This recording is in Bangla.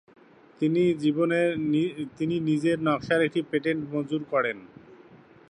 তিনি নিজের নকশার একটি পেটেন্ট মঞ্জুর করেন।